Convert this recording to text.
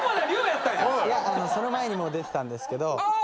いやその前に出てたんですけど。